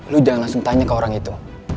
lu jangan langsung tanya ke orang itu